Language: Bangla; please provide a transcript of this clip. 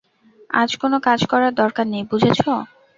আজ কোন কাজ করার দরকার নেই, বুঝেছ?